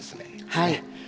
はい。